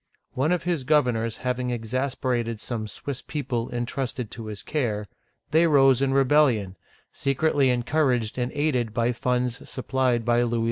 One of his governors having exasperated some Swiss people intrusted to his care, they rose in rebellion, — secretly encouraged and aided by funds supplied by Louis XI.